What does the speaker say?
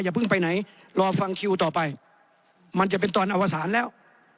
เพิ่งไปไหนรอฟังคิวต่อไปมันจะเป็นตอนอวสารแล้ว